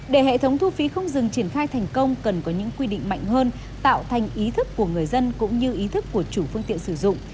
để hệ thống thu phí không dừng triển khai thành công cần có những quy định mạnh hơn tạo thành ý thức của người dân cũng như ý thức của chủ phương tiện sử dụng